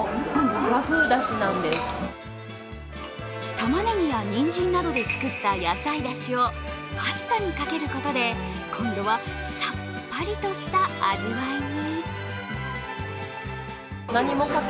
たまねぎやにんじんなどで作った野菜だしをパスタにかけることで今度はさっぱりとした味わいに。